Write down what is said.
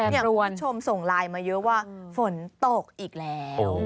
คุณผู้ชมส่งไลน์มาเยอะว่าฝนตกอีกแล้ว